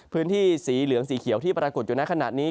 พื้นที่สีเหลืองสีเขียวที่ปรากฏอยู่ในขณะนี้